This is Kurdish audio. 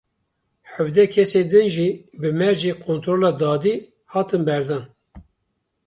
Hevdeh kesên din jî bi mercê kontrola dadî hatin berdan.